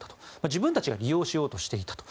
自分たちが利用しようとしていたと。